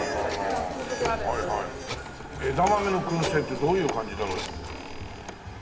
はいはい枝豆の燻製ってどういう感じだろう？